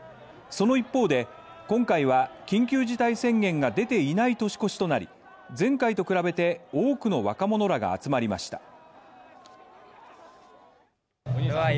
その一方で、今回は緊急事態宣言が出ていない年越しとなり、前回と比べて多くの若者らが集まりました。